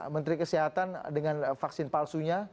menteri kesehatan dengan vaksin palsunya